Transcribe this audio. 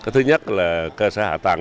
thứ nhất là cơ sở hạ tầng